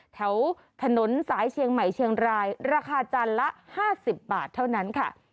แถวถนนสายเชียงใหม่เชียงรายราคาจานละ๕๐บาทเท่านั้นค่ะ